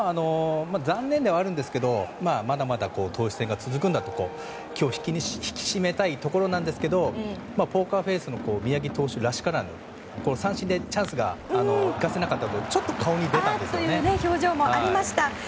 残念ではあるんですがまだまだ投手戦が続くんだと気を引き締めたいところですがポーカーフェースの宮城投手らしからぬ三振でチャンスが生かせなかった時ちょっと、顔に出ましたね。